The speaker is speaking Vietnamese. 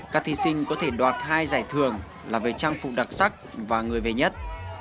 các thí sinh có thể đoạt hai giải thưởng là về trang phục đặc sắc và người về nhất